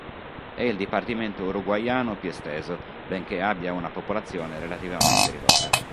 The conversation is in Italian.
È il dipartimento uruguayano più esteso benché abbia una popolazione relativamente ridotta.